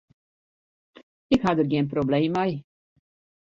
Ik ha der gjin probleem mei.